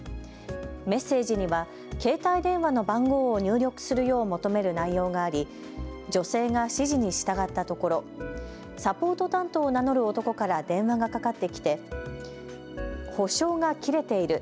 メッセージには携帯電話の番号を入力するよう求める内容があり女性が指示に従ったところサポート担当を名乗る男から電話がかかってきて補償が切れている。